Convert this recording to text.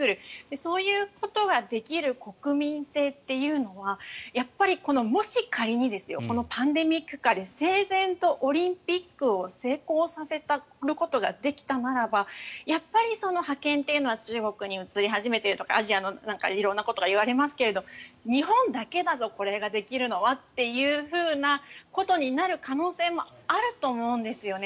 そういうことができる国民性というのはやっぱりもし仮にパンデミック下で整然とオリンピックを成功させることができたならばやっぱり覇権というのは中国に移り始めているとかアジアの色んなことがいわれますが日本だけだぞ、これができるのはということになる可能性もあると思うんですよね。